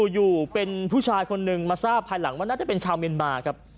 อยู่เป็นผู้ชายคนหนึ่งมาทราบภายหลังว่าน่าจะเป็นชาวเมียนมาครับ